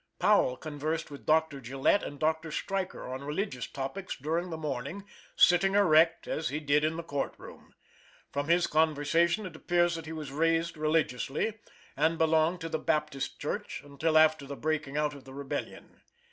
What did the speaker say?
Powell conversed with Dr. Gillette and Dr. Striker on religious topics during the morning, sitting erect, as he did in the court room. From his conversation it appears that he was raised religiously, and belonged to the Baptist church until after the breaking out of the rebellion.